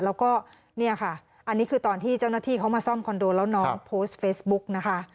แล้วก็เนี่ยค่ะอันนี้คือตอนที่เจ้าหน้าที่เขามาซ่อมคอนโดแล้วน้องโพสต์เฟซบุ๊กนะคะ